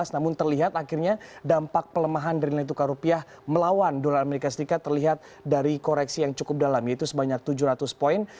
namun terlihat akhirnya dampak pelemahan dari nilai tukar rupiah melawan dolar amerika serikat terlihat dari koreksi yang cukup dalam yaitu sebanyak tujuh ratus poin